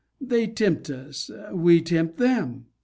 They tempt us we tempt them.